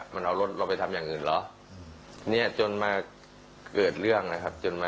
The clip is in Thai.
มันเอารถเราไปทำอย่างอื่นเหรอเนี่ยจนมาเกิดเรื่องนะครับจนมา